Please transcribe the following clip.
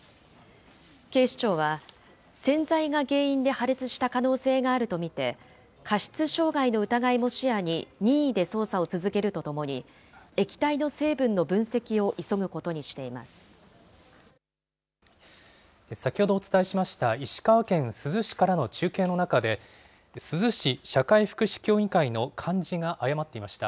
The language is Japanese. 警視庁は、洗剤が原因で破裂した可能性があると見て、過失傷害の疑いも視野に任意で捜査を続けるとともに、液体の成分先ほどお伝えしました石川県珠洲市からの中継の中で、珠洲市社会福祉協議会の漢字が誤っていました。